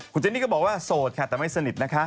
คุณเจนี่ก็บอกว่าโสดค่ะแต่ไม่สนิทนะคะ